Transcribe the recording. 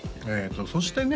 そしてね